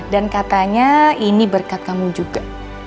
dan katanya ini berkat kamu juga